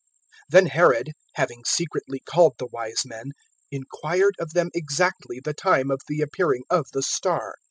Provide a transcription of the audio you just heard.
(7)Then Herod, having secretly called the wise men, inquired of them exactly the time of the appearing of the star.